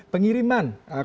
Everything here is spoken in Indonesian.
pengiriman konten tersebut